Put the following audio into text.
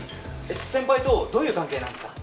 先輩とどういう関係なんすか？